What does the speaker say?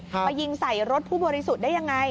มายิงใส่รถผู้บริสุทธิ์ได้ยังไง